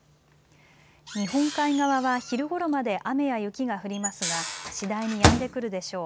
日本海側は昼ごろまで雨や雪が降りますが次第にやんでくるでしょう。